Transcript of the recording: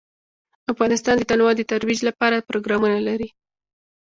افغانستان د تنوع د ترویج لپاره پروګرامونه لري.